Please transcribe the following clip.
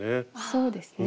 そうですね